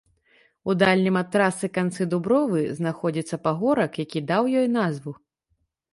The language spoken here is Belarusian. У дальнім ад трасы канцы дубровы знаходзіцца пагорак, які даў ёй назву.